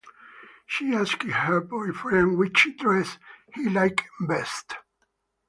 She asked her boyfriend which dress he liked best.